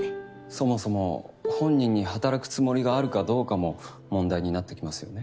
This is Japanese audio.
そもそも本人に働くつもりがあるかどうかも問題になってきますよね。